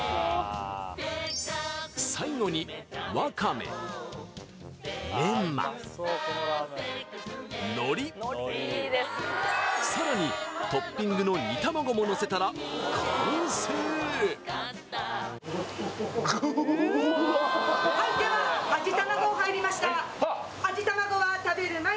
最後にさらにトッピングの煮卵ものせたら完成わあ何